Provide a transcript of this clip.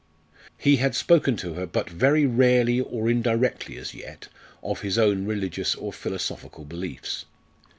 He bad spoken to her but very rarely or indirectly as yet of his own religious or philosophical beliefs.